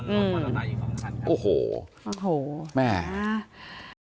อืมโอ้โหแม่โอ้โห